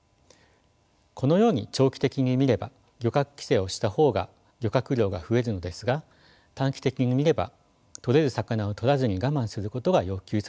このように長期的に見れば漁獲規制をした方が漁獲量が増えるのですが短期的に見ればとれる魚をとらずに我慢することが要求されます。